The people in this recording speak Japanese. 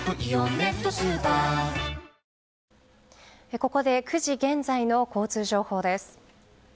ここで、９時現在の交通情報です。